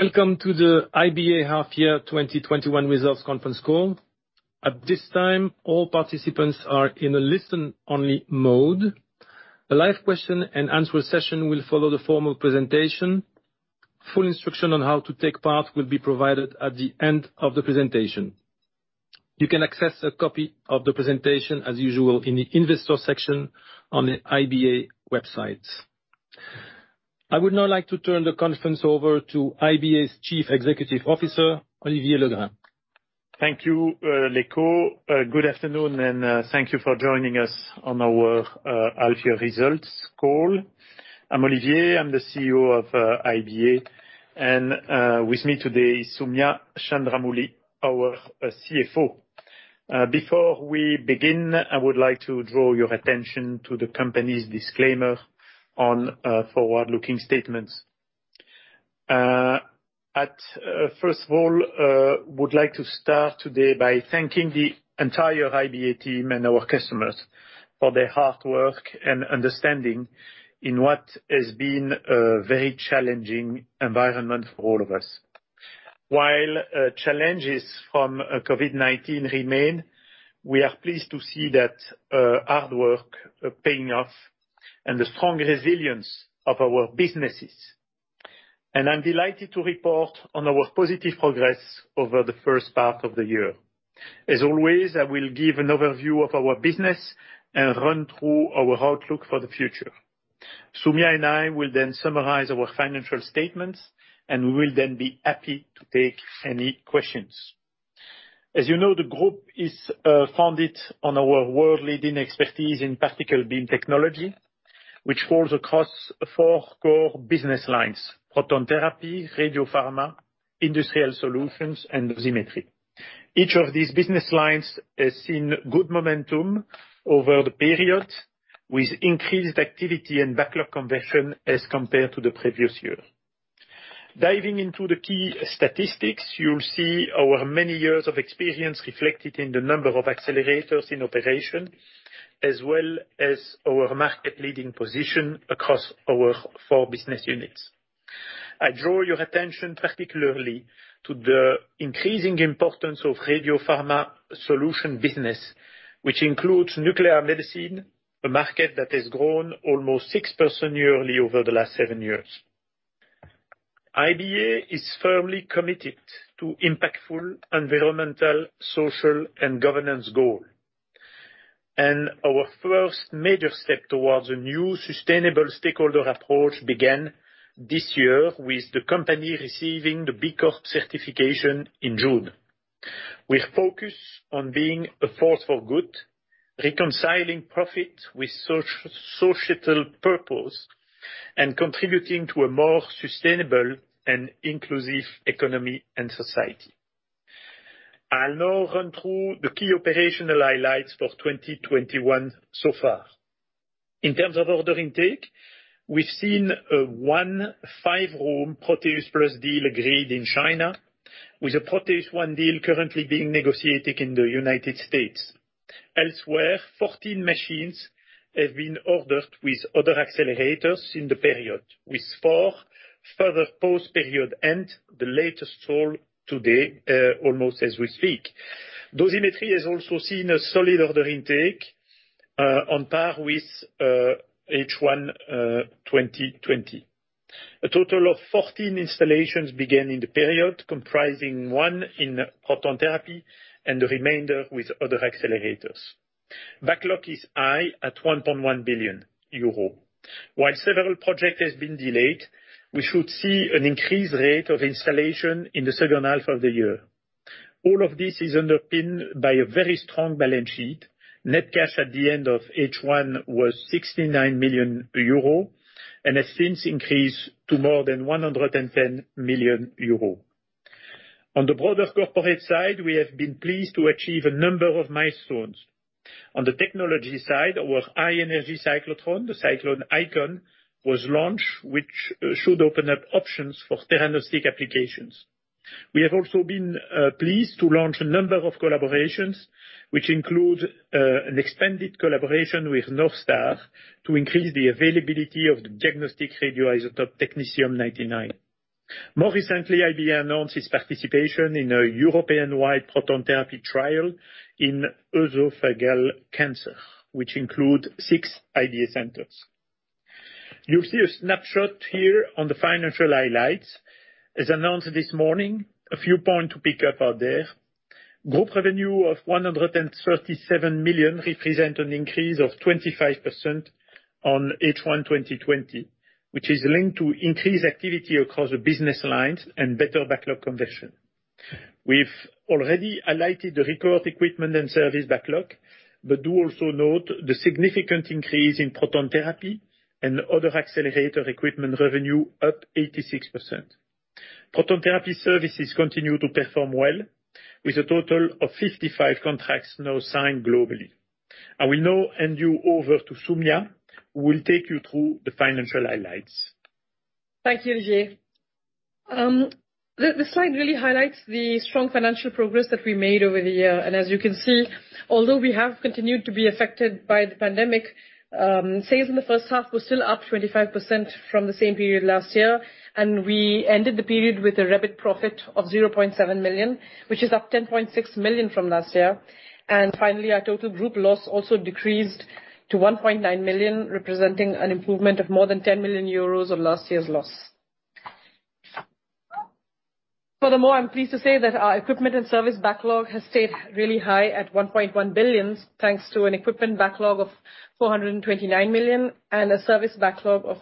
Welcome to the IBA Half Year 2021 Results conference call. At this time all participants are in a listen-only mode. A live Q&A session will follow the formal presentation. Full instruction on how to take part would be provided at the end of the presentation. You can access a copy of the presentation as usual in the investor section on the IBA website. I would now like to turn the conference over to IBA's Chief Executive Officer, Olivier Legrain. Thank you, Lecko. Good afternoon, and thank you for joining us on our half-year results call. I'm Olivier, I'm the CEO of IBA, and with me today is Soumya Chandramouli, our CFO. Before we begin, I would like to draw your attention to the company's disclaimer on forward-looking statements. First of all, would like to start today by thanking the entire IBA team and our customers for their hard work and understanding in what has been a very challenging environment for all of us. While challenges from COVID-19 remain, we are pleased to see that hard work paying off and the strong resilience of our businesses. I'm delighted to report on our positive progress over the first part of the year. As always, I will give an overview of our business and run through our outlook for the future. Soumya and I will then summarize our financial statements, and we will then be happy to take any questions. As you know, the group is founded on our world-leading expertise in particle beam technology, which falls across four core business lines, proton therapy, radiopharma, industrial solutions, and dosimetry. Each of these business lines has seen good momentum over the period, with increased activity and backlog conversion as compared to the previous year. Diving into the key statistics, you'll see our many years of experience reflected in the number of accelerators in operation, as well as our market-leading position across our four business units. I draw your attention particularly to the increasing importance of radiopharma solution business, which includes nuclear medicine, a market that has grown almost 6% yearly over the last seven years. IBA is firmly committed to impactful environmental, social, and governance goal. Our first major step towards a new sustainable stakeholder approach began this year with the company receiving the B Corp certification in June. We are focused on being a force for good, reconciling profit with societal purpose, and contributing to a more sustainable and inclusive economy and society. I'll now run through the key operational highlights for 2021 so far. In terms of order intake, we've seen one five-room Proteus PLUS deal agreed in China with a Proteus ONE deal currently being negotiated in the United States. Elsewhere, 14 machines have been ordered with other accelerators in the period, with four further post-period, and the latest sold today, almost as we speak. dosimetry has also seen a solid order intake on par with H1 2020. A total of 14 installations began in the period, comprising one in proton therapy and the remainder with other accelerators. Backlog is high at 1.1 billion euro. While several projects have been delayed, we should see an increased rate of installation in the second half of the year. All of this is underpinned by a very strong balance sheet. Net cash at the end of H1 was 69 million euro, and has since increased to more than 110 million euro. On the broader corporate side, we have been pleased to achieve a number of milestones. On the technology side, our high-energy cyclotron, the Cyclone IKON, was launched, which should open up options for diagnostic applications. We have also been pleased to launch a number of collaborations, which include an expanded collaboration with NorthStar to increase the availability of the diagnostic radioisotope technetium-99. More recently, IBA announced its participation in a European-wide proton therapy trial in esophageal cancer, which includes six IBA centers. You'll see a snapshot here on the financial highlights. As announced this morning, a few points to pick up out there. Group revenue of 137 million represent an increase of 25% on H1 2020, which is linked to increased activity across the business lines and better backlog conversion. We've already highlighted the record equipment and service backlog, but do also note the significant increase in proton therapy and other accelerator equipment revenue up 86%. Proton therapy services continue to perform well, with a total of 55 contracts now signed globally. I will now hand you over to Soumya, who will take you through the financial highlights. Thank you, Olivier. The slide really highlights the strong financial progress that we made over the year. As you can see, although we have continued to be affected by the pandemic, sales in the first half were still up 25% from the same period last year. We ended the period with a REBIT profit of 0.7 million, which is up 10.6 million from last year. Finally, our total group loss also decreased to 1.9 million, representing an improvement of more than 10 million euros of last year's loss. Furthermore, I'm pleased to say that our equipment and service backlog has stayed really high at 1.1 billion, thanks to an equipment backlog of 429 million and a service backlog of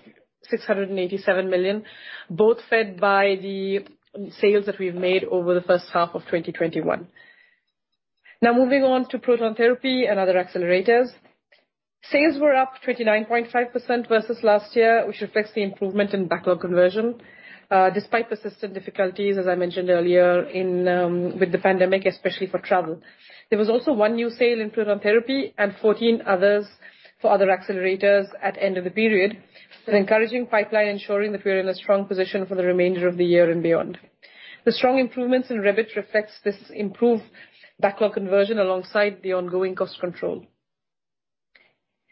687 million, both fed by the sales that we've made over the first half of 2021. Now, moving on to proton therapy and other accelerators. Sales were up 39.5% versus last year, which reflects the improvement in backlog conversion, despite persistent difficulties, as I mentioned earlier, with the pandemic, especially for travel. There was also one new sale in proton therapy and 14 others for other accelerators at end of the period. An encouraging pipeline ensuring that we're in a strong position for the remainder of the year and beyond. The strong improvements in REBIT reflects this improved backlog conversion alongside the ongoing cost control.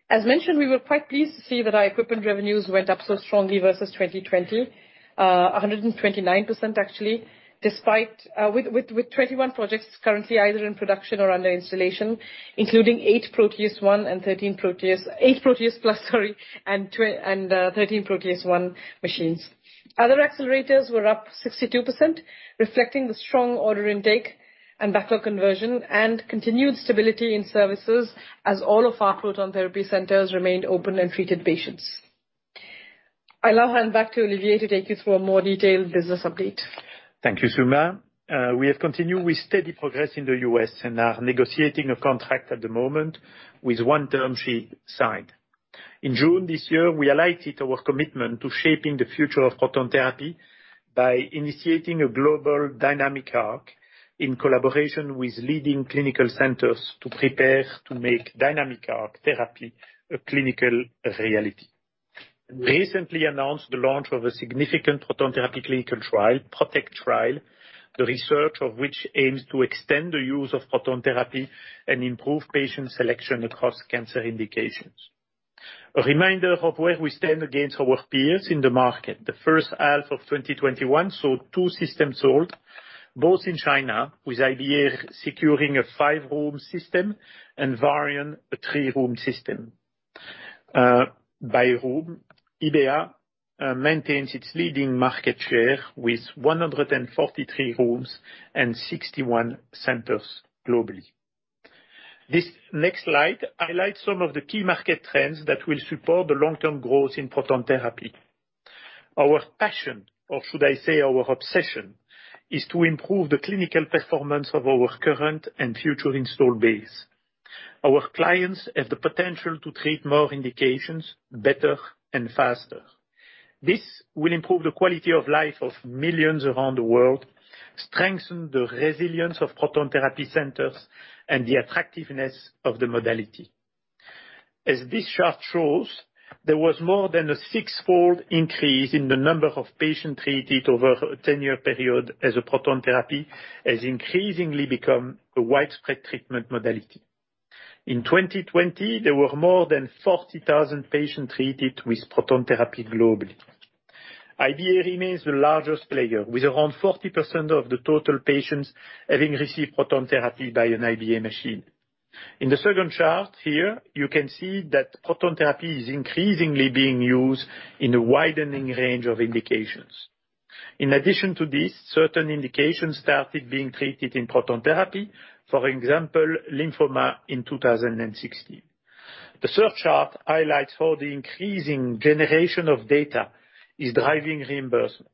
As mentioned, we were quite pleased to see that our equipment revenues went up so strongly versus 2020. 129%, actually, with 21 projects currently either in production or under installation, including eight Proteus PLUS and 13 Proteus ONE machines. Other accelerators were up 62%, reflecting the strong order intake and backlog conversion and continued stability in services as all of our Proton Therapy centers remained open and treated patients. I'll now hand back to Olivier to take you through a more detailed business update. Thank you, Soumya. We have continued with steady progress in the U.S. and are negotiating a contract at the moment with one term sheet signed. In June this year, we highlighted our commitment to shaping the future of proton therapy by initiating a global DynamicARC in collaboration with leading clinical centers to prepare to make DynamicARC therapy a clinical reality. We recently announced the launch of a significant proton therapy clinical trial, PROTECT trial, the research of which aims to extend the use of proton therapy and improve patient selection across cancer indications. A reminder of where we stand against our peers in the market. The first half of 2021 saw two systems sold, both in China, with IBA securing a five-room system and Varian a three-room system. By room, IBA maintains its leading market share with 143 rooms and 61 centers globally. This next slide highlights some of the key market trends that will support the long-term growth in proton therapy. Our passion, or should I say our obsession, is to improve the clinical performance of our current and future install base. Our clients have the potential to treat more indications better and faster. This will improve the quality of life of millions around the world, strengthen the resilience of proton therapy centers, and the attractiveness of the modality. As this chart shows, there was more than a six-fold increase in the number of patients treated over a 10-year period as proton therapy has increasingly become a widespread treatment modality. In 2020, there were more than 40,000 patients treated with proton therapy globally. IBA remains the largest player, with around 40% of the total patients having received proton therapy by an IBA machine. In the second chart here, you can see that proton therapy is increasingly being used in a widening range of indications. In addition to this, certain indications started being treated in proton therapy, for example, lymphoma in 2016. The third chart highlights how the increasing generation of data is driving reimbursement.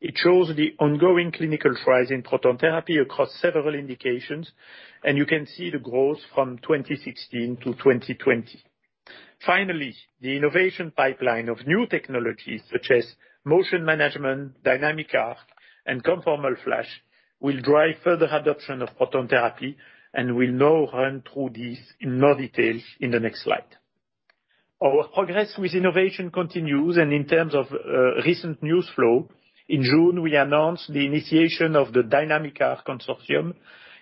It shows the ongoing clinical trials in proton therapy across several indications, and you can see the growth from 2016-2020. Finally, the innovation pipeline of new technologies such as motion management, DynamicARC, and ConformalFLASH, will drive further adoption of proton therapy and will now run through these in more detail in the next slide. Our progress with innovation continues. In terms of recent news flow, in June, we announced the initiation of the DynamicARC Consortium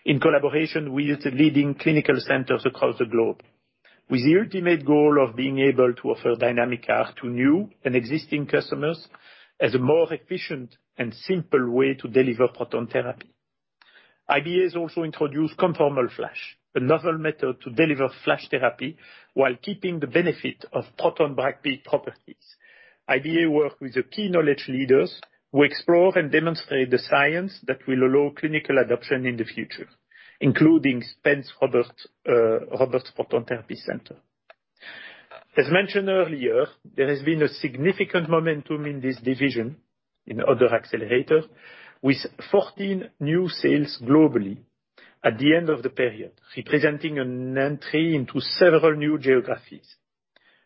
in collaboration with leading clinical centers across the globe, with the ultimate goal of being able to offer DynamicARC to new and existing customers as a more efficient and simple way to deliver proton therapy. IBA has also introduced ConformalFLASH, a novel method to deliver FLASH therapy while keeping the benefit of proton Bragg peak properties. IBA work with the key knowledge leaders who explore and demonstrate the science that will allow clinical adoption in the future, including Roberts Proton Therapy Center. As mentioned earlier, there has been a significant momentum in this division, in other accelerators, with 14 new sales globally at the end of the period, representing an entry into several new geographies.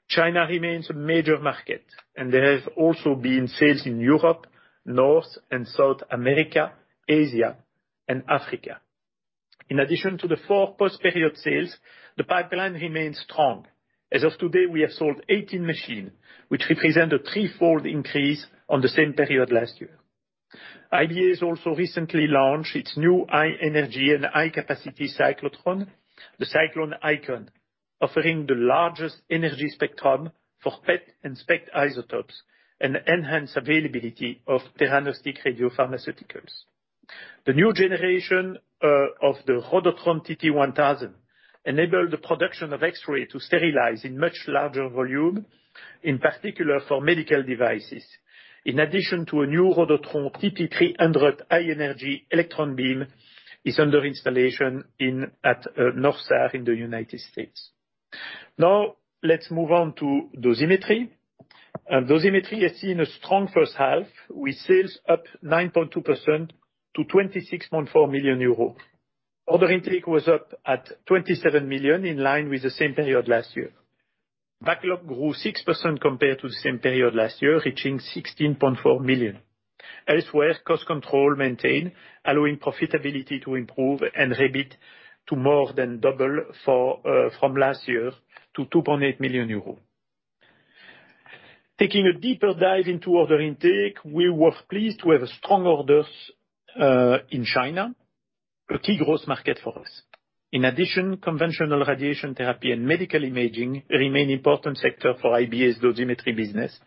China remains a major market. There have also been sales in Europe, North and South America, Asia, and Africa. In addition to the four post-period sales, the pipeline remains strong. As of today, we have sold 18 machines, which represent a threefold increase on the same period last year. IBA has also recently launched its new high energy and high capacity cyclotron, the Cyclone IKON, offering the largest energy spectrum for PET and SPECT isotopes and enhance availability of diagnostic radiopharmaceuticals. The new generation of the Rhodotron TT1000 enabled the production of X-ray to sterilize in much larger volume, in particular for medical devices. In addition to a new Rhodotron TT300 high energy electron beam is under installation at NorthStar in the U.S. Let's move on to dosimetry. Dosimetry has seen a strong first half, with sales up 9.2% to 26.4 million euro. Order intake was up at 27 million, in line with the same period last year. Backlog grew 6% compared to the same period last year, reaching 16.4 million. Elsewhere, cost control maintained, allowing profitability to improve and EBIT to more than double from last year to 2.8 million euros. Taking a deeper dive into order intake, we were pleased to have strong orders in China, a key growth market for us. In addition, conventional radiation therapy and medical imaging remain important sector for IBA's Dosimetry business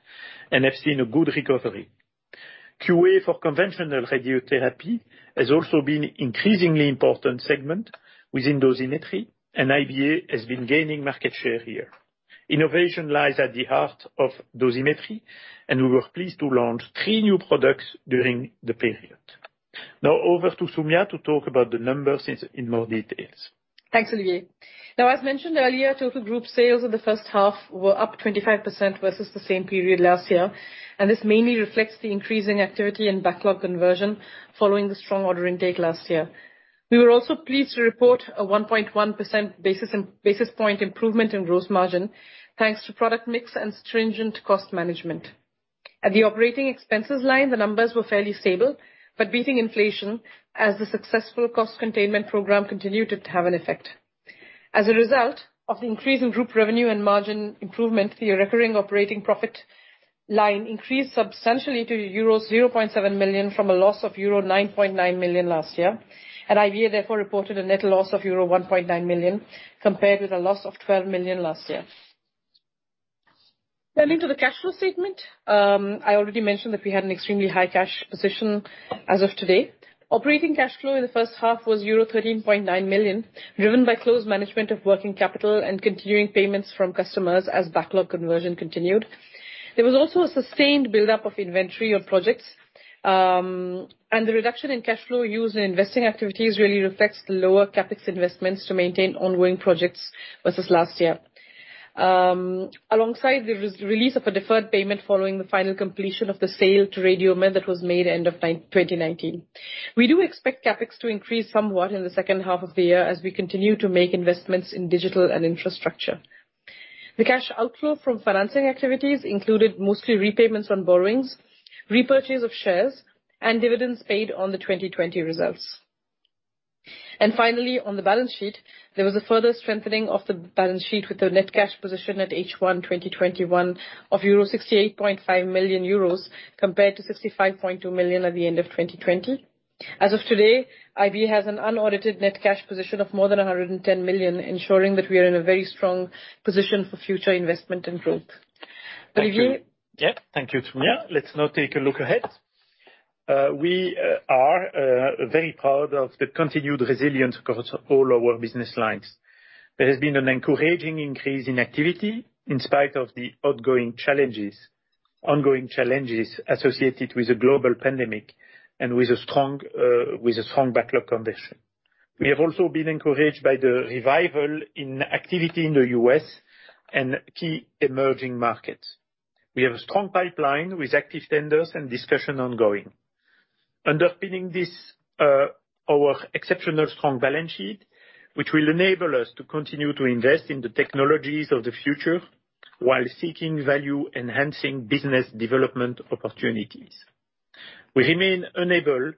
and have seen a good recovery. QA for conventional radiotherapy has also been increasingly important segment within Dosimetry, and IBA has been gaining market share here. Innovation lies at the heart of Dosimetry, and we were pleased to launch three new products during the period. Now over to Soumya to talk about the numbers in more details. Thanks, Olivier. As mentioned earlier, total Group sales in the first half were up 25% versus the same period last year. This mainly reflects the increasing activity and backlog conversion following the strong order intake last year. We were also pleased to report a 1.1% basis point improvement in gross margin, thanks to product mix and stringent cost management. At the operating expenses line, the numbers were fairly stable, beating inflation as the successful cost containment program continued to have an effect. As a result of the increase in Group revenue and margin improvement, the recurring operating profit line increased substantially to euro 0.7 million from a loss of euro 9.9 million last year. IBA therefore reported a net loss of euro 1.9 million, compared with a loss of 12 million last year. Turning to the cash flow statement, I already mentioned that we had an extremely high cash position as of today. Operating cash flow in the first half was euro 13.9 million, driven by close management of working capital and continuing payments from customers as backlog conversion continued. There was also a sustained buildup of inventory of projects, and the reduction in cash flow used in investing activities really reflects the lower CapEx investments to maintain ongoing projects versus last year, alongside the release of a deferred payment following the final completion of the sale to RadioMed that was made end of 2019. We do expect CapEx to increase somewhat in the second half of the year as we continue to make investments in digital and infrastructure. The cash outflow from financing activities included mostly repayments on borrowings, repurchase of shares, and dividends paid on the 2020 results. Finally, on the balance sheet, there was a further strengthening of the balance sheet with the net cash position at H1 2021 of 68.5 million euros compared to 65.2 million at the end of 2020. As of today, IBA has an unaudited net cash position of more than 110 million, ensuring that we are in a very strong position for future investment and growth. Olivier? Yeah. Thank you, Soumya. Let's now take a look ahead. We are very proud of the continued resilience across all our business lines. There has been an encouraging increase in activity in spite of the ongoing challenges associated with the global pandemic and with a strong backlog condition. We have also been encouraged by the revival in activity in the U.S. and key emerging markets. We have a strong pipeline with active tenders and discussion ongoing. Underpinning this, our exceptional strong balance sheet, which will enable us to continue to invest in the technologies of the future while seeking value-enhancing business development opportunities. We remain unable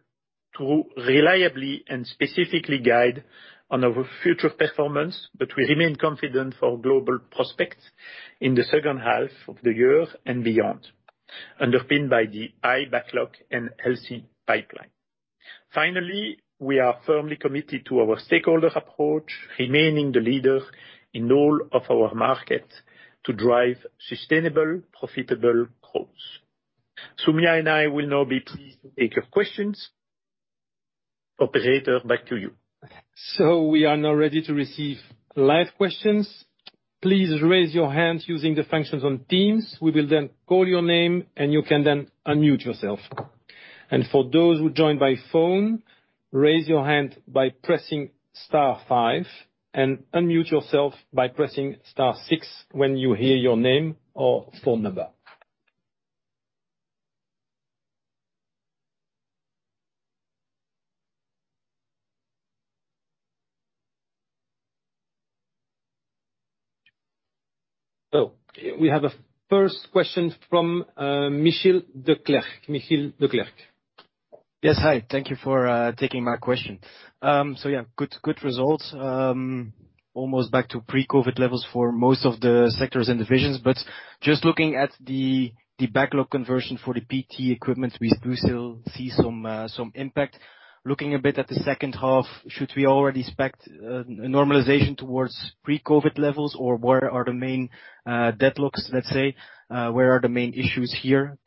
to reliably and specifically guide on our future performance, but we remain confident for global prospects in the second half of the year and beyond, underpinned by the high backlog and healthy pipeline. Finally, we are firmly committed to our stakeholder approach, remaining the leader in all of our markets to drive sustainable, profitable growth. Soumya and I will now be pleased to take your questions. Operator, back to you. We are now ready to receive live questions. Please raise your hand using the functions on Teams. We will then call your name, and you can then unmute yourself. For those who joined by phone, raise your hand by pressing star five, and unmute yourself by pressing star six when you hear your name or phone number. Oh, we have a first question from Michiel Declercq. Michiel Declercq. Yes. Hi. Thank you for taking my question. Yeah, good results. Almost back to pre-COVID levels for most of the sectors and divisions. Just looking at the backlog conversion for the PT equipment, we do still see some impact. Looking a bit at the second half, should we already expect a normalization towards pre-COVID levels, or where are the main deadlocks, let's say? Where are the main issues here?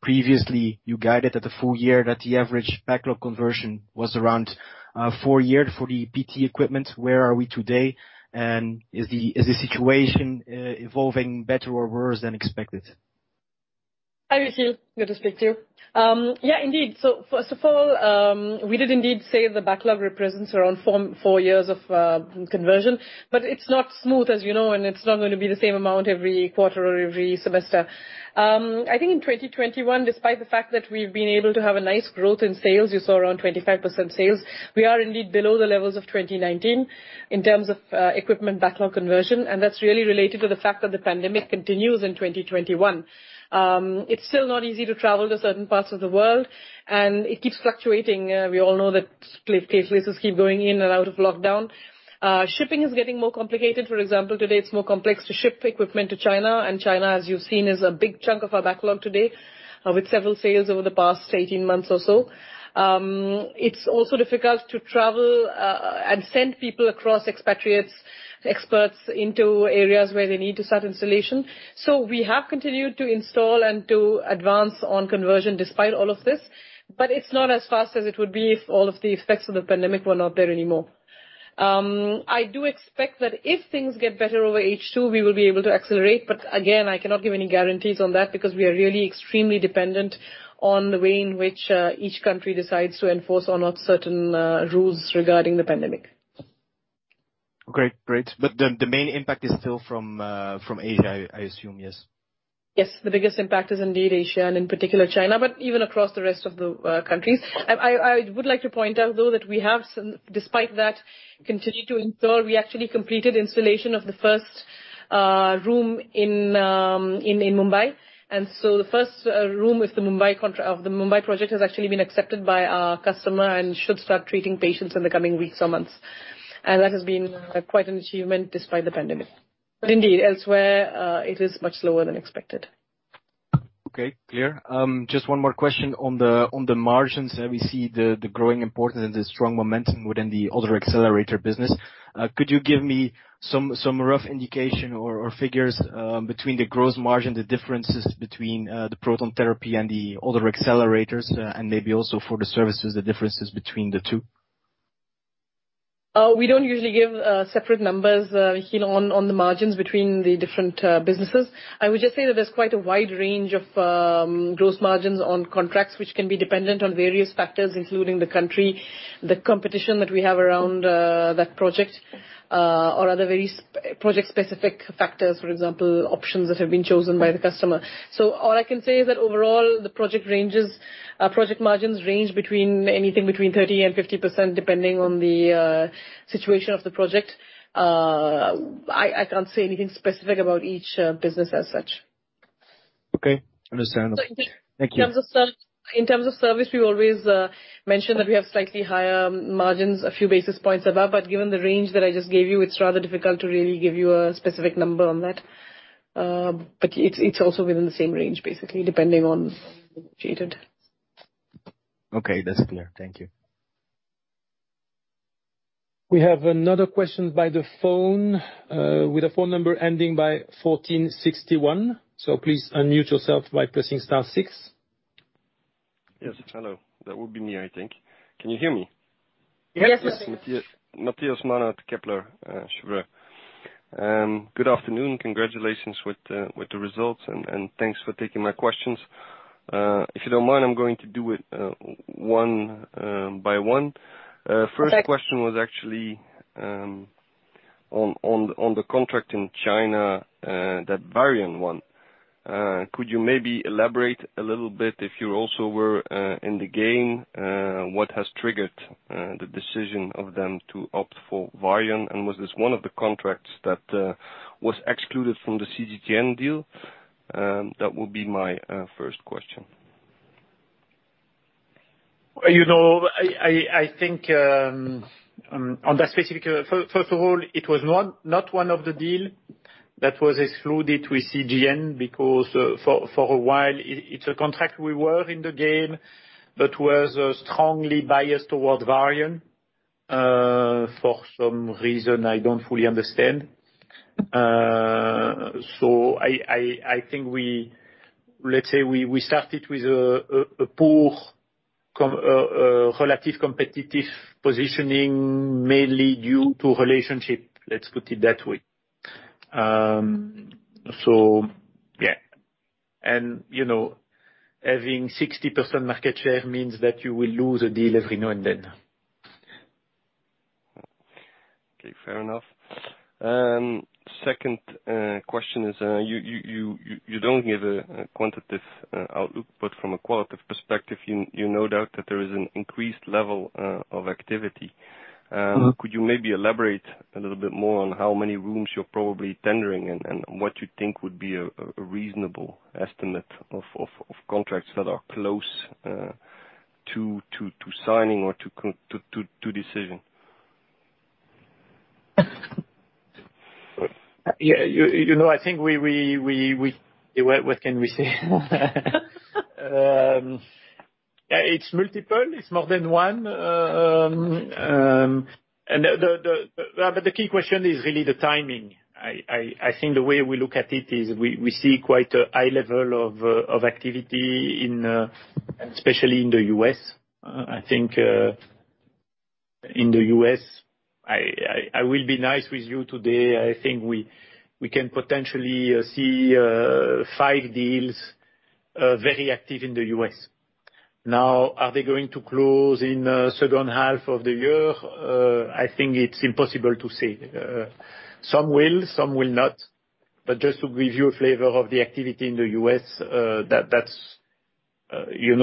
Previously you guided that the full year that the average backlog conversion was around four years for the PT equipment. Where are we today? Is the situation evolving better or worse than expected? Hi, Michiel. Good to speak to you. Indeed. First of all, we did indeed say the backlog represents around four years of conversion, but it's not smooth as you know, and it's not going to be the same amount every quarter or every semester. I think in 2021, despite the fact that we've been able to have a nice growth in sales, you saw around 25% sales, we are indeed below the levels of 2019 in terms of equipment backlog conversion. That's really related to the fact that the pandemic continues in 2021. It's still not easy to travel to certain parts of the world, and it keeps fluctuating. We all know that places keep going in and out of lockdown. Shipping is getting more complicated. For example, today it's more complex to ship equipment to China. China, as you've seen, is a big chunk of our backlog today, with several sales over the past 18 months or so. It's also difficult to travel, and send people across, expatriates, experts, into areas where they need to start installation. We have continued to install and to advance on conversion despite all of this, but it's not as fast as it would be if all of the effects of the pandemic were not there anymore. I do expect that if things get better over H2, we will be able to accelerate. Again, I cannot give any guarantees on that because we are really extremely dependent on the way in which each country decides to enforce or not certain rules regarding the pandemic. Great. The main impact is still from Asia, I assume. Yes? Yes. The biggest impact is indeed Asia, and in particular China, even across the rest of the countries. I would like to point out, though, that we have, despite that, continued to install. We actually completed installation of the first room in Mumbai. The first room of the Mumbai project has actually been accepted by our customer and should start treating patients in the coming weeks or months. That has been quite an achievement despite the pandemic. Indeed, elsewhere, it is much slower than expected. Okay, clear. Just one more question on the margins. We see the growing importance and the strong momentum within the other accelerator business. Could you give me some rough indication or figures between the gross margin, the differences between the proton therapy and the other accelerators? Maybe also for the services, the differences between the two? We don't usually give separate numbers on the margins between the different businesses. I would just say that there's quite a wide range of gross margins on contracts which can be dependent on various factors, including the country, the competition that we have around that project, or other very project-specific factors, for example, options that have been chosen by the customer. All I can say is that overall, the project margins range between anything between 30%-50%, depending on the situation of the project. I can't say anything specific about each business as such. Okay. Understandable. Thank you. In terms of service, we always mention that we have slightly higher margins, a few basis points above. Given the range that I just gave you, it's rather difficult to really give you a specific number on that. It's also within the same range, basically, depending on. Okay, that's clear. Thank you. We have another question by the phone with a phone number ending by 1461. Please unmute yourself by pressing star six. Yes. Hello. That would be me, I think. Can you hear me? Yes. It's Matthias Maenhaut, Kepler Cheuvreux. Good afternoon. Congratulations with the results, and thanks for taking my questions. If you don't mind, I'm going to do it one by one. Okay. First question was actually on the contract in China, that Varian one. Could you maybe elaborate a little bit if you also were in the game, what has triggered the decision of them to opt for Varian? Was this one of the contracts that was excluded from the CGN deal? That would be my first question. I think on that specific, first of all, it was not one of the deal that was excluded with CGN because for a while, it's a contract we were in the game but was strongly biased towards Varian, for some reason I don't fully understand. I think let's say we started with a poor relative competitive positioning, mainly due to relationship, let's put it that way. Yeah. Having 60% market share means that you will lose a deal every now and then. Okay. Fair enough. Second question is, you don't give a quantitative output but from a qualitative perspective, you no doubt that there is an increased level of activity. Could you maybe elaborate a little bit more on how many rooms you're probably tendering and what you think would be a reasonable estimate of contracts that are close to signing or to decision? I think what can we say? It's multiple. It's more than one. The key question is really the timing. I think the way we look at it is we see quite a high level of activity, especially in the U.S. I think, in the U.S., I will be nice with you today. I think we can potentially see five deals very active in the U.S. Are they going to close in second half of the year? I think it's impossible to say. Some will, some will not. Just to give you a flavor of the activity in the U.S.,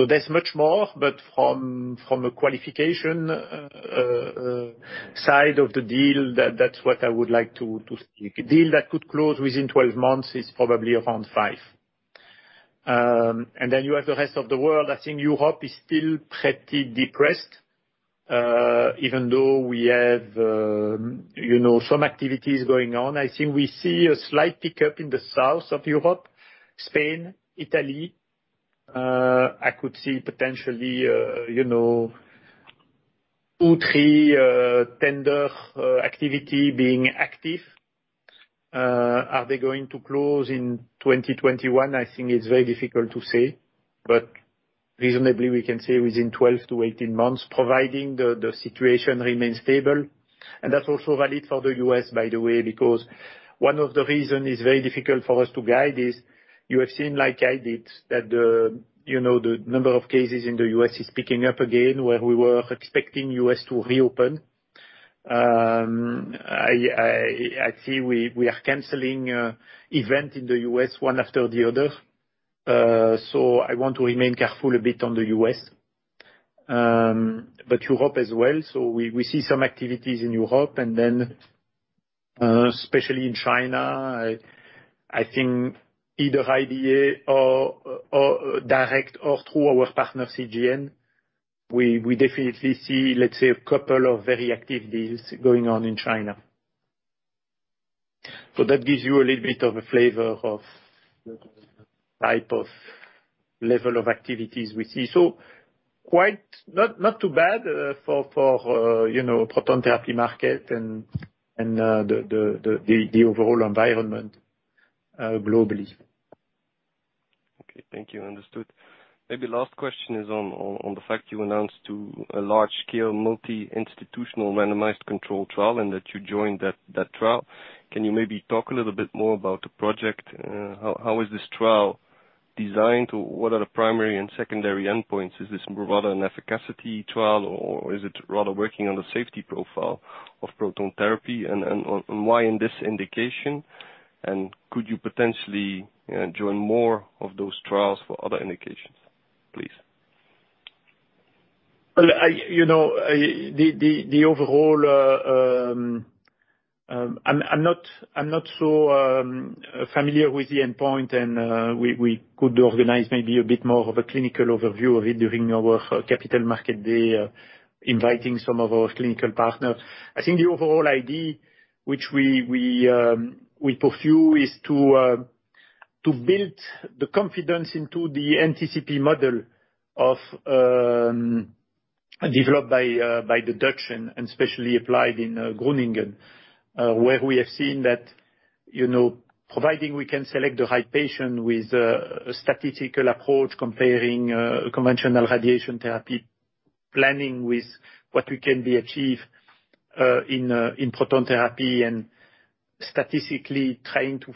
there's much more, but from a qualification side of the deal, a deal that could close within 12 months is probably around five. You have the rest of the world. I think Europe is still pretty depressed, even though we have some activities going on. I think we see a slight pickup in the south of Europe, Spain, Italy. I could see potentially two, three tender activity being active. Are they going to close in 2021? I think it's very difficult to say. Reasonably, we can say within 12-18 months, providing the situation remains stable. That's also valid for the U.S., by the way, because one of the reason is very difficult for us to guide is you have seen, like I did, that the number of cases in the U.S. is picking up again, where we were expecting U.S. to reopen. I'd say we are canceling event in the U.S., one after the other. I want to remain careful a bit on the U.S. Europe as well. We see some activities in Europe, and then especially in China, I think either IBA or direct or through our partner, CGN, we definitely see, let's say, a couple of very active deals going on in China. That gives you a little bit of a flavor of the type of level of activities we see. Quite not too bad for proton therapy market and the overall environment globally. Okay. Thank you. Understood. Maybe last question is on the fact you announced to a large scale, multi-institutional, randomized control trial, and that you joined that trial. Can you maybe talk a little bit more about the project? How is this trial designed? What are the primary and secondary endpoints? Is this rather an efficacy trial, or is it rather working on the safety profile of proton therapy? Why in this indication? Could you potentially join more of those trials for other indications, please? I'm not so familiar with the endpoint, and we could organize maybe a bit more of a clinical overview of it during our Capital Market Day, inviting some of our clinical partners. I think the overall idea which we pursue is to build the confidence into the NTCP model developed by the Dutch and especially applied in Groningen, where we have seen that providing we can select the right patient with a statistical approach comparing conventional radiation therapy planning with what we can be achieved in proton therapy and statistically trying to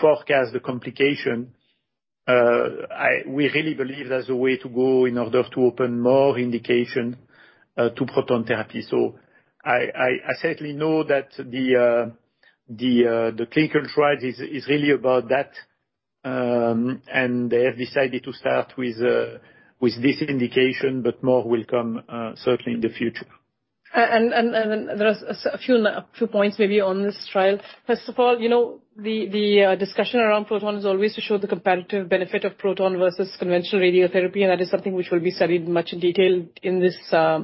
forecast the complication. We really believe that's the way to go in order to open more indication to proton therapy. I certainly know that the clinical trial is really about that. They have decided to start with this indication, but more will come certainly in the future. There are a few points maybe on this trial. First of all, the discussion around proton is always to show the comparative benefit of proton versus conventional radiotherapy, and that is something which will be studied much in detail in this trial.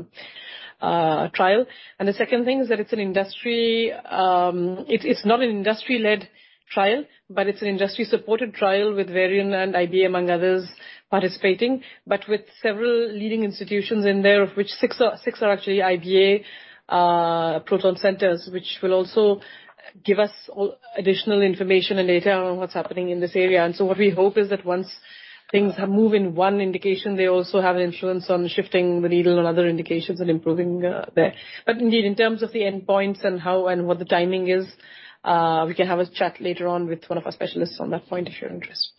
The second thing is that it's not an industry-led trial, but it's an industry-supported trial with Varian and IBA, among others, participating. With several leading institutions in there, of which six are actually IBA proton centers, which will also give us additional information and data on what's happening in this area. What we hope is that once things have moved in one indication, they also have an influence on shifting the needle on other indications and improving there. Indeed, in terms of the endpoints and how and what the timing is, we can have a chat later on with one of our specialists on that point, if you're interested.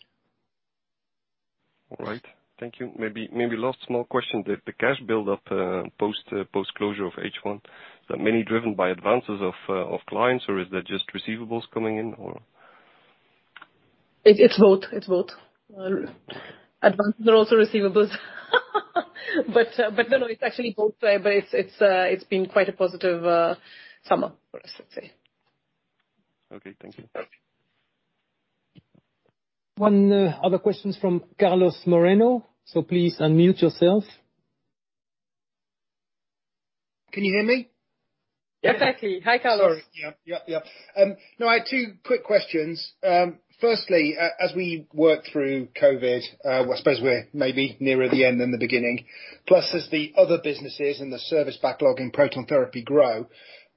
All right. Thank you. Maybe last small question. The cash build-up post-closure of H1, is that mainly driven by advances of clients, or is that just receivables coming in? It's both. Advances are also receivables. No, it's actually both, but it's been quite a positive summer for us, let's say. Okay, thank you. One other question from Carlos Moreno, please unmute yourself. Can you hear me? Exactly. Hi, Carlos. Sorry. Yep. I had two quick questions. Firstly, as we work through COVID, well, I suppose we're maybe nearer the end than the beginning, plus as the other businesses and the service backlog in proton therapy grow,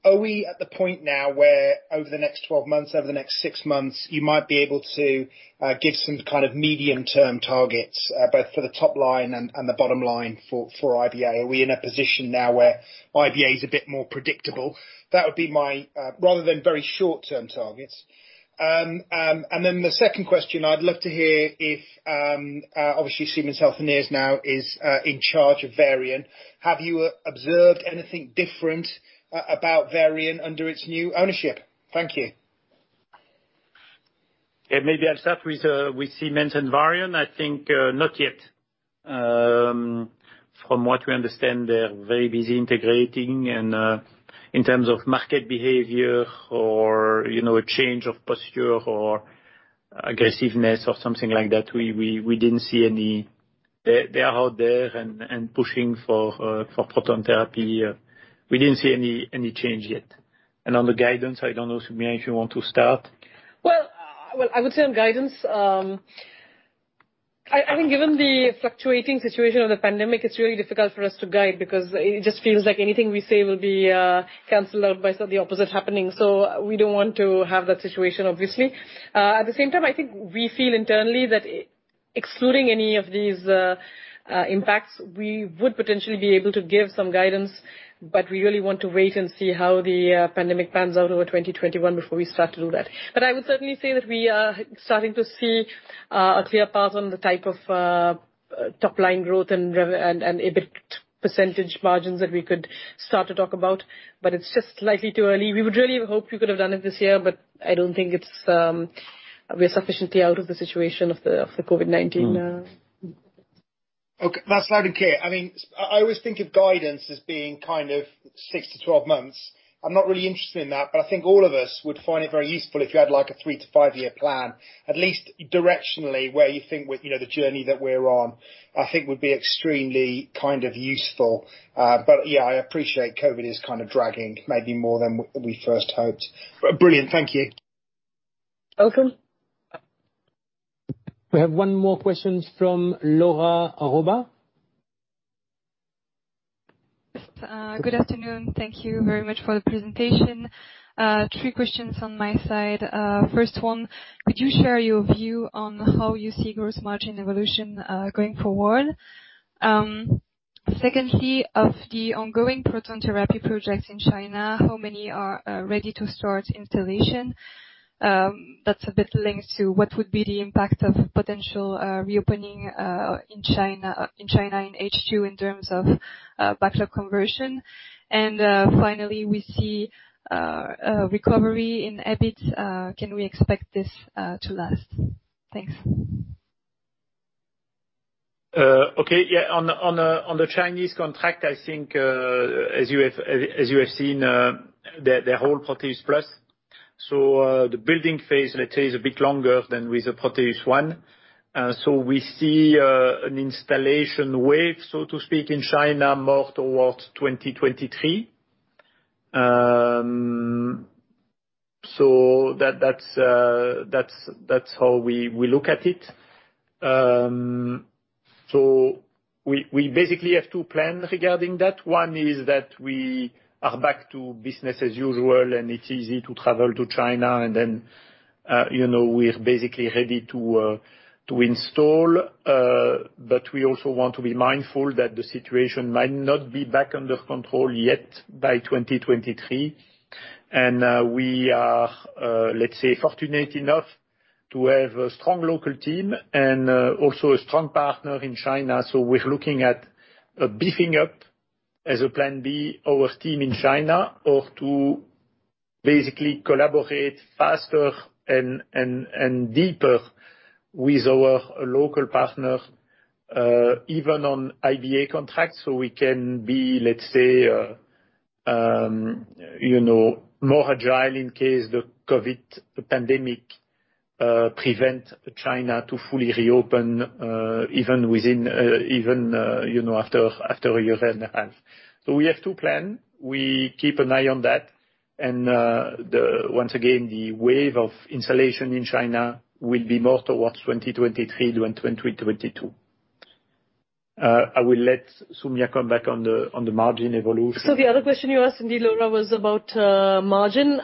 are we at the point now where over the next 12 months, over the next six months, you might be able to give some kind of medium-term targets, both for the top line and the bottom line for IBA? Are we in a position now where IBA is a bit more predictable? Rather than very short-term targets. The second question, I'd love to hear if, obviously Siemens Healthineers now is in charge of Varian. Have you observed anything different about Varian under its new ownership? Thank you. Maybe I'll start with Siemens and Varian. I think not yet. From what we understand, they're very busy integrating, and in terms of market behavior or a change of posture or aggressiveness or something like that, we didn't see any. They are out there and pushing for proton therapy. We didn't see any change yet. On the guidance, I don't know, Soumya, if you want to start? I would say on guidance, I think given the fluctuating situation of the pandemic, it's really difficult for us to guide because it just feels like anything we say will be canceled out by the opposite happening. We don't want to have that situation, obviously. At the same time, I think we feel internally that excluding any of these impacts, we would potentially be able to give some guidance, but we really want to wait and see how the pandemic pans out over 2021 before we start to do that. I would certainly say that we are starting to see a clear path on the type of top-line growth and EBIT percentage margins that we could start to talk about, but it's just slightly too early. We would really hope we could have done it this year, but I don't think we are sufficiently out of the situation of the COVID-19. Okay. That's loud and clear. I always think of guidance as being 6-12 months. I'm not really interested in that, I think all of us would find it very useful if you had a three-to-five year plan, at least directionally, where you think the journey that we're on, I think would be extremely useful. Yeah, I appreciate COVID is dragging maybe more than we first hoped. Brilliant. Thank you. Okay. We have one more question from Laura Roba. Good afternoon. Thank you very much for the presentation. Three questions on my side. First one, could you share your view on how you see gross margin evolution going forward? Secondly, of the ongoing proton therapy projects in China, how many are ready to start installation? That a bit linked to what would be the impact of potential reopening in China in H2 in terms of backlog conversion. Finally, we see a recovery in EBIT. Can we expect this to last? Thanks. Okay. Yeah, on the Chinese contract, I think as you have seen, they're whole Proteus PLUS. The building phase, let's say, is a bit longer than with the Proteus ONE. We see an installation wave, so to speak, in China more towards 2023. That's how we look at it. We basically have two plans regarding that. One is that we are back to business as usual, and it's easy to travel to China, and then we are basically ready to install. We also want to be mindful that the situation might not be back under control yet by 2023. We are fortunate enough to have a strong local team and also a strong partner in China. We're looking at beefing up, as a plan B, our team in China, or to basically collaborate faster and deeper with our local partner even on IBA contracts, so we can be more agile in case the COVID pandemic prevent China to fully reopen even after a year and a half. We have two plan. We keep an eye on that, and once again, the wave of installation in China will be more towards 2023 than 2022. I will let Soumya come back on the margin evolution. The other question you asked indeed, Laura, was about margin.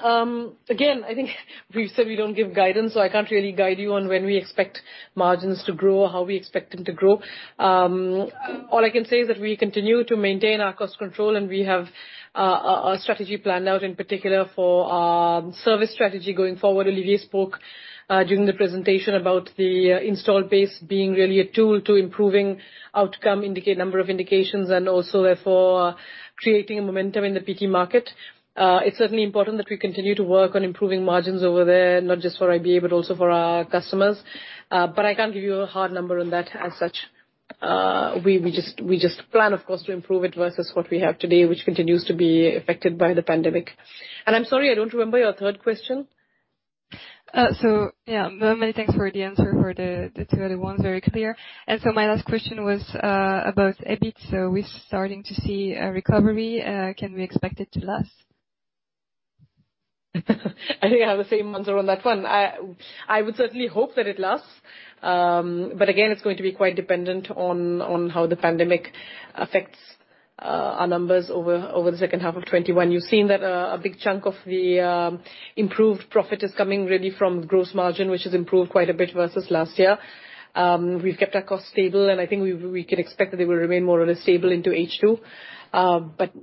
Again, I think we've said we don't give guidance, so I can't really guide you on when we expect margins to grow or how we expect them to grow. All I can say is that we continue to maintain our cost control, and we have a strategy planned out in particular for service strategy going forward. Olivier spoke during the presentation about the install base being really a tool to improving outcome, number of indications, and also therefore creating a momentum in the PT market. It's certainly important that we continue to work on improving margins over there, not just for IBA, but also for our customers. I can't give you a hard number on that as such. We just plan, of course, to improve it versus what we have today, which continues to be affected by the pandemic. I'm sorry, I don't remember your third question. Many thanks for the answer for the two other ones, very clear. My last question was about EBIT. We're starting to see a recovery. Can we expect it to last? I think I have the same answer on that one. Again, it's going to be quite dependent on how the pandemic affects our numbers over the second half of 2021. You've seen that a big chunk of the improved profit is coming really from gross margin, which has improved quite a bit versus last year. We've kept our costs stable, and I think we could expect that they will remain more or less stable into H2.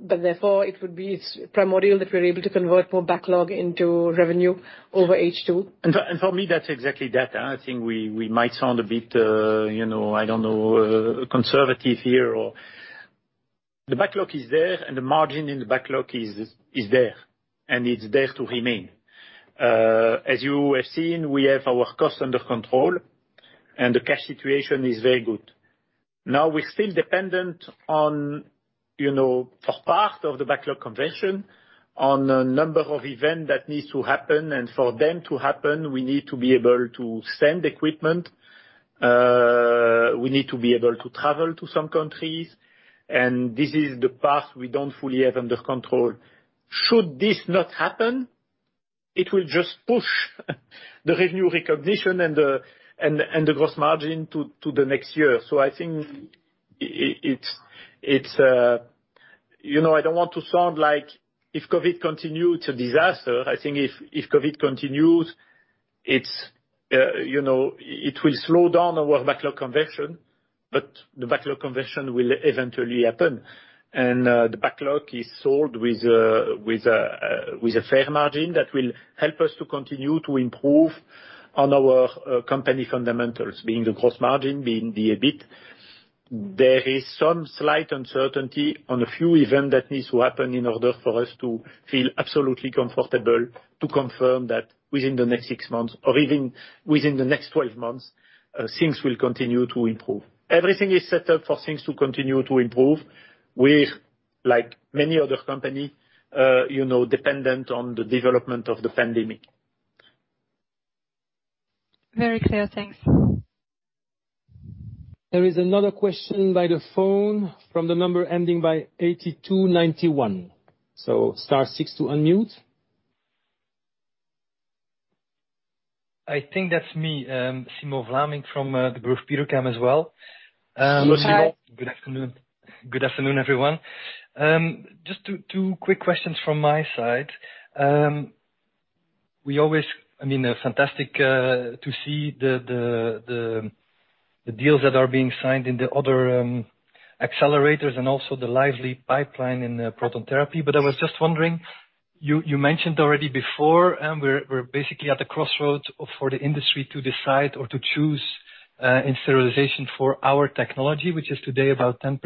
Therefore, it would be primordial that we're able to convert more backlog into revenue over H2. For me, that's exactly that. I think we might sound a bit, I don't know, conservative here. The backlog is there, and the margin in the backlog is there, and it's there to remain. As you have seen, we have our costs under control, and the cash situation is very good. Now we're still dependent on, for part of the backlog conversion, on a number of event that needs to happen. For them to happen, we need to be able to send equipment, we need to be able to travel to some countries, and this is the part we don't fully have under control. Should this not happen, it will just push the revenue recognition and the gross margin to the next year. I think, I don't want to sound like if COVID continues, it's a disaster. I think if COVID continues, it will slow down our backlog conversion, but the backlog conversion will eventually happen. The backlog is sold with a fair margin that will help us to continue to improve on our company fundamentals, being the gross margin, being the EBIT. There is some slight uncertainty on a few event that needs to happen in order for us to feel absolutely comfortable to confirm that within the next six months or even within the next 12 months, things will continue to improve. Everything is set up for things to continue to improve. We, like many other company, dependent on the development of the pandemic. Very clear. Thanks. There is another question by the phone from the number ending by 8291. Star six to unmute. I think that's me. Simon Vlaminck from Degroof Petercam as well. Hi, Simon. Good afternoon. Good afternoon, everyone. Just two quick questions from my side. Fantastic to see the deals that are being signed in the other accelerators and also the lively pipeline in proton therapy. I was just wondering, you mentioned already before, we're basically at the crossroads for the industry to decide or to choose in sterilization for our technology, which is today about 10%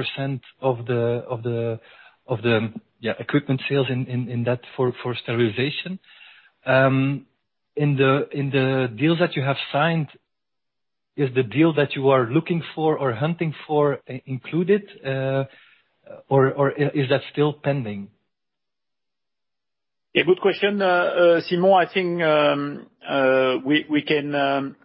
of the equipment sales in that for sterilization. In the deals that you have signed, is the deal that you are looking for or hunting for included? Is that still pending? Yeah, good question, Simon. I think we can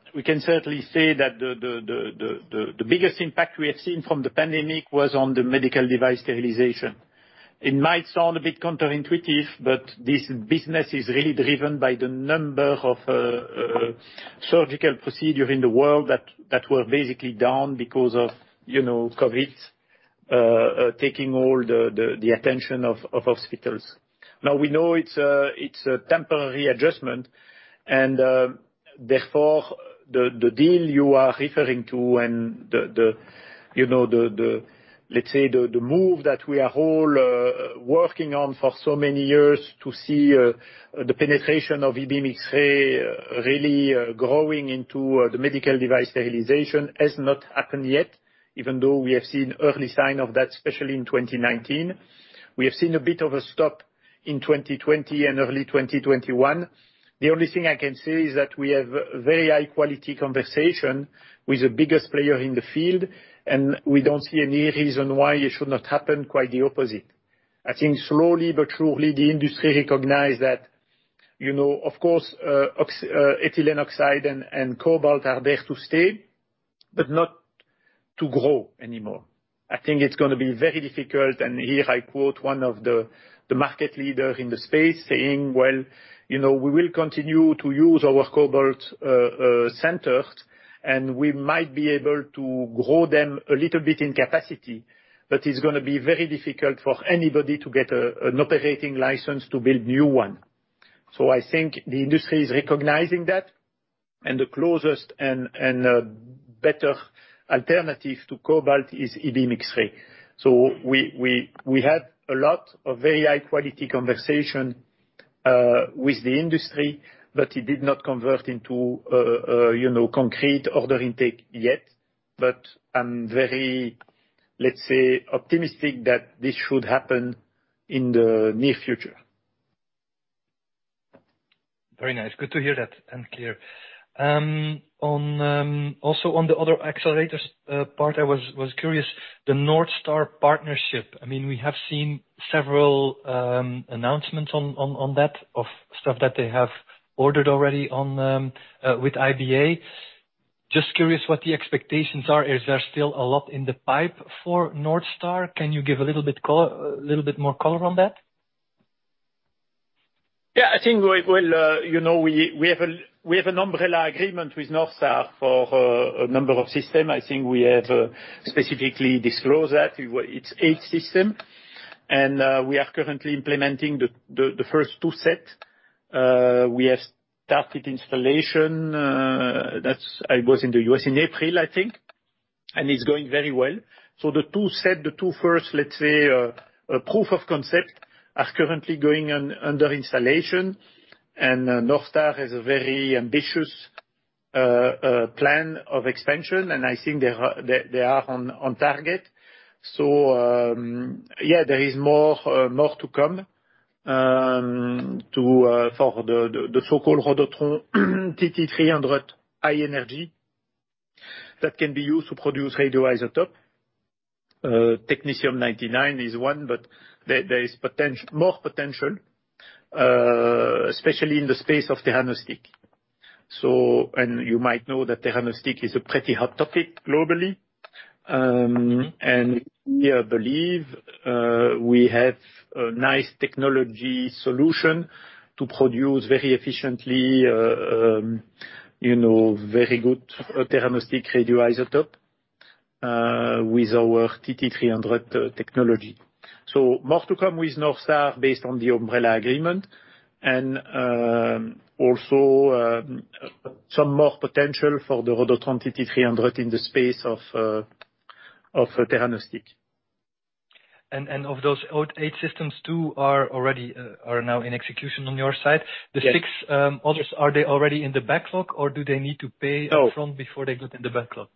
certainly say that the biggest impact we have seen from the pandemic was on the medical device sterilization. It might sound a bit counterintuitive, but this business is really driven by the number of surgical procedure in the world that were basically down because of COVID, taking all the attention of hospitals. We know it's a temporary adjustment and, therefore, the deal you are referring to and let's say the move that we are all working on for so many years to see the penetration of E-beam X-ray really growing into the medical device sterilization has not happened yet, even though we have seen early sign of that, especially in 2019. We have seen a bit of a stop in 2020 and early 2021. The only thing I can say is that we have very high quality conversation with the biggest player in the field, and we don't see any reason why it should not happen, quite the opposite. I think slowly but surely, the industry recognizes that, of course, ethylene oxide and Cobalt-60 are there to stay, but not to grow anymore. I think it's going to be very difficult. Here I quote one of the market leaders in the space saying, "Well, we will continue to use our Cobalt-60 centers, and we might be able to grow them a little bit in capacity, but it's going to be very difficult for anybody to get an operating license to build new one." I think the industry is recognizing that. The closest and better alternative to Cobalt-60 is E-beam/X-ray. We had a lot of very high quality conversation with the industry, but it did not convert into concrete order intake yet. I'm very, let's say, optimistic that this should happen in the near future. Very nice. Good to hear that and clear picture. Also on the other accelerators part, I was curious, the NorthStar partnership. We have seen several announcements on that, of stuff that they have ordered already with IBA. Just curious what the expectations are. Is there still a lot in the pipe for NorthStar? Can you give a little bit more color on that? We have an umbrella agreement with NorthStar for a number of system. I think we have specifically disclosed that. It's eight system. We are currently implementing the first two sets. We have started installation. I was in the U.S. in April, I think. It's going very well. The two set, the two first, let's say, proof of concept are currently going under installation. NorthStar has a very ambitious plan of expansion, and I think they are on target. Yeah, there is more to come for the Rhodotron TT300 high energy that can be used to produce radioisotope. technetium-99 is one, but there is more potential, especially in the space of theranostics. You might know that theranostics is a pretty hot topic globally. We believe we have a nice technology solution to produce very efficiently, very good theranostic radioisotope with our TT300 technology. More to come with NorthStar based on the umbrella agreement, and also some more potential for Rhodotron TT300 in the space of theranostic. Of those eight systems, two are now in execution on your side? Yes. The six others, are they already in the backlog, or do they need to pay upfront before they go in the backlog?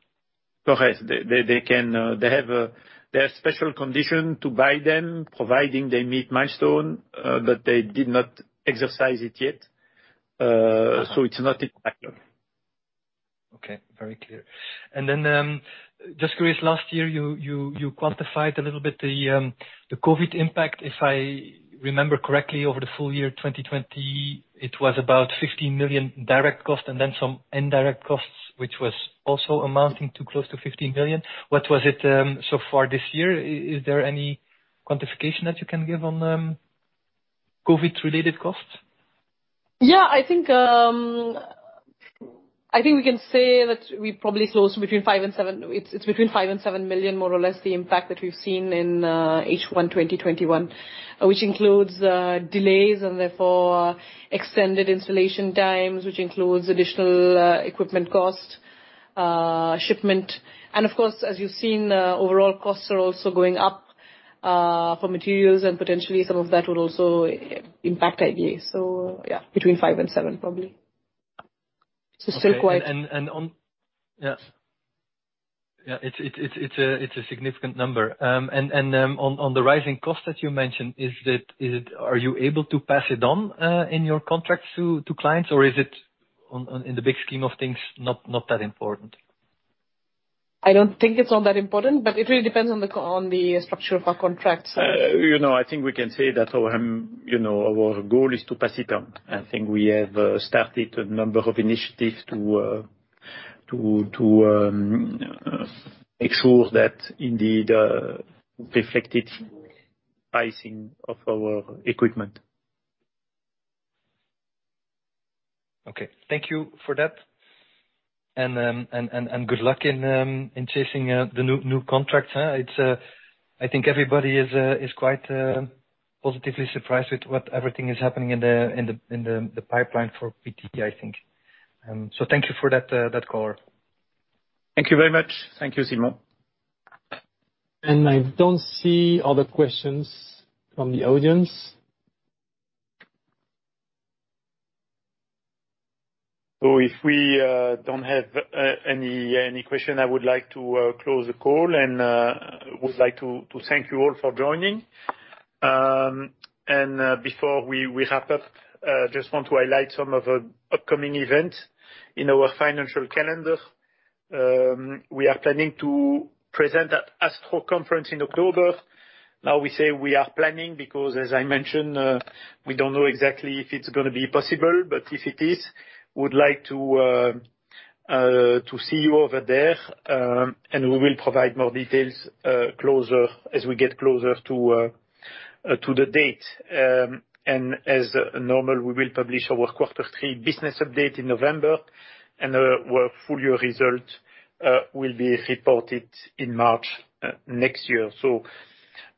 Correct. They have special condition to buy them, providing they meet milestone. They did not exercise it yet. It's not in backlog. Okay. Very clear. Just curious, last year you quantified a little bit the COVID impact. If I remember correctly, over the full year 2020, it was about 15 million direct cost and then some indirect costs, which was also amounting to close to 15 million. What was it so far this year? Is there any quantification that you can give on COVID-related costs? Yeah, I think we can say that we probably close to between 5 and 7. It's between 5 million and 7 million, more or less, the impact that we've seen in H1 2021, which includes delays and therefore extended installation times, which includes additional equipment cost, shipment. Of course, as you've seen, overall costs are also going up for materials and potentially some of that will also impact IBA. Yeah, between 5 and 7 probably. Yeah. It's a significant number. On the rising cost that you mentioned, are you able to pass it on in your contracts to clients, or is it, in the big scheme of things, not that important? I don't think it's all that important, but it really depends on the structure of our contracts. I think we can say that our goal is to pass it on. I think we have started a number of initiatives to make sure that indeed reflected pricing of our equipment. Okay. Thank you for that. Good luck in chasing the new contracts. I think everybody is quite positively surprised with what everything is happening in the pipeline for PT, I think. Thank you for that color. Thank you very much. Thank you, Simon. I don't see other questions from the audience. If we don't have any question, I would like to close the call and would like to thank you all for joining. Before we wrap up, just want to highlight some of the upcoming event in our financial calendar. We are planning to present at ASTRO conference in October. Now we say we are planning because, as I mentioned, we don't know exactly if it's going to be possible, but if it is, we would like to see you over there. We will provide more details as we get closer to the date. As normal, we will publish our quarter three business update in November, and our full-year result will be reported in March next year.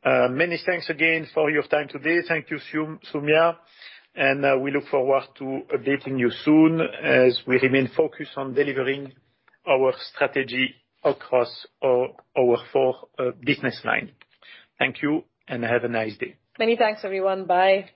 Many thanks again for your time today. Thank you, Soumya. We look forward to updating you soon as we remain focused on delivering our strategy across our four business line. Thank you, and have a nice day. Many thanks everyone. Bye.